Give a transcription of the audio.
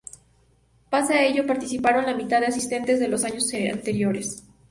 Pese a ello, participaron la mitad de asistentes de los años anteriores.